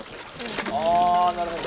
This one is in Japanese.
あぁなるほど。